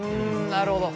なるほど。